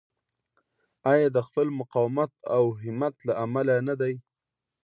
آیا د خپل مقاومت او همت له امله نه دی؟